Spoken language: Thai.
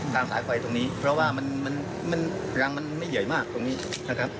สายไฟตรงนี้เพราะว่ามันรังมันไม่ใหญ่มากตรงนี้นะครับ